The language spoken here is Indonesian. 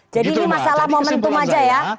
jadi ini masalah momentum saja ya